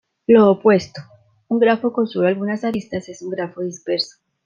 Lo opuesto, un grafo con solo algunas aristas, es un grafo disperso.